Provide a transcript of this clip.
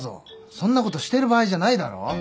そんなことしてる場合じゃないだろ。